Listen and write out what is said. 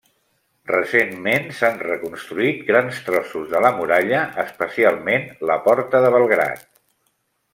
Recentment s'han reconstruït grans trossos de la muralla, especialment la porta de Belgrad.